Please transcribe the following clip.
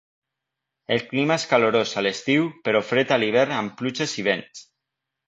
El clima és calorós a l'estiu, però fred a l'hivern amb pluges i vents.